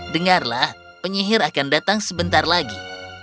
dengarlah penyihir akan datang sebentar lagi